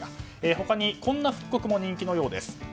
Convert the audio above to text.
他にこんな復刻も人気のようです。